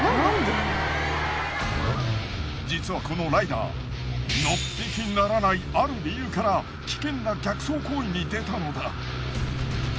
実はこのライダーのっぴきならないある理由から危険な逆走行為に出たのだ。